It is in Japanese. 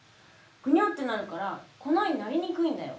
ぐにゃってなるから粉になりにくいんだよ。